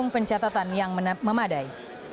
dengan pencatatan yang memadai